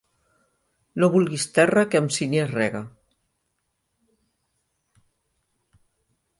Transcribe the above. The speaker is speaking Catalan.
No vulguis terra que amb sínia es rega.